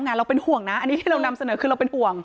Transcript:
เราเป็นห่วงนะอันนี้ที่เรานำเสนอคือเราเป็นห่วง